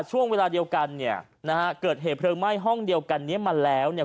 ช่วงเวลาเดียวกันเนี่ยนะฮะเกิดเหตุเพลิงไหม้ห้องเดียวกันเนี้ยมาแล้วเนี่ย